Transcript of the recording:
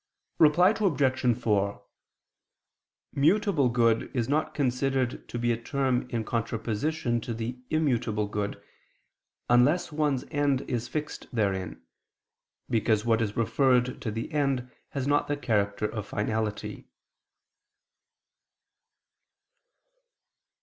Reply Obj. 4: Mutable good is not considered to be a term in contraposition to the immutable good, unless one's end is fixed therein: because what is referred to the end has not the character of finality.